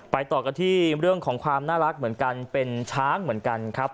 ต่อกันที่เรื่องของความน่ารักเหมือนกันเป็นช้างเหมือนกันครับ